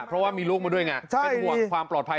เพราะว่ามีลูกมาด้วยไงเป็นห่วงความปลอดภัย